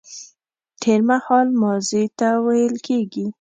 تېرمهال ماضي ته ويل کيږي